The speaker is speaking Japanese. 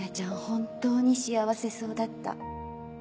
本当に幸せそうだった。